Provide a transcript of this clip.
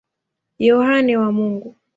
Yohane wa Mungu.